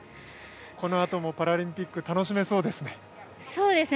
このあともパラリンピック楽しめそうですね。